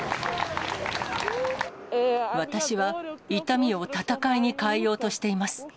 私は、痛みを戦いに変えようとしています。